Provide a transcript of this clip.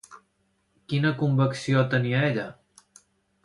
Quina convecció tenia ella?